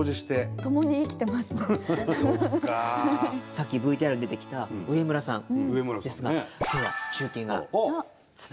さっきＶＴＲに出てきた植村さんですが今日は中継がつながっていますよ。